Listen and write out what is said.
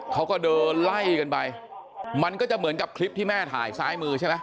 เขาก็เดินไล่กันไปมันก็จะเหมือนกับคลิปที่แม่ถ่ายซ้ายมือใช่ไหม